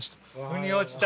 ふに落ちた？